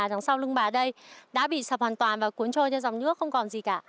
đằng sau lưng bà đây đã bị sập hoàn toàn và cuốn trôi cho dòng nước không còn gì cả